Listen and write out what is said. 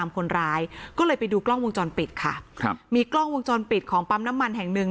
คนร้ายก็เลยไปดูกล้องวงจรปิดค่ะครับมีกล้องวงจรปิดของปั๊มน้ำมันแห่งหนึ่ง